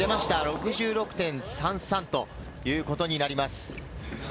６６．３３ということになります。